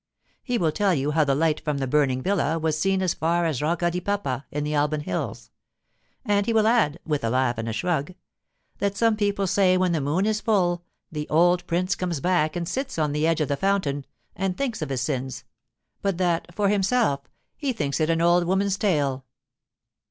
He will tell you how the light from the burning villa was seen as far as Rocca di Papa in the Alban hills; and he will add, with a laugh and a shrug, that some people say when the moon is full the old prince comes back and sits on the edge of the fountain and thinks of his sins, but that, for himself, he thinks it an old woman's tale.